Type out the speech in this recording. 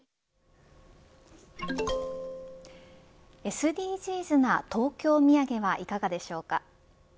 ＳＤＧｓな東京土産はいかがでしょうか。